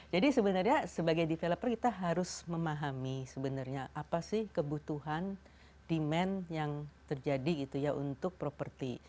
jadi sebenarnya sebagai developer kita harus memahami sebenarnya apa sih kebutuhan demand yang terjadi gitu ya untuk properti